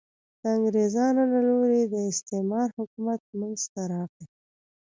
د انګرېزانو له لوري د استعمار حکومت منځته راغی.